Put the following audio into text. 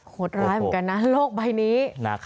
โหดร้ายเหมือนกันนะโลกใบนี้